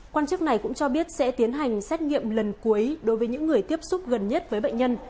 quan chức này cũng cho biết sẽ tiến hành xét nghiệm lần cuối đối với những người tiếp xúc gần nhất với bệnh nhân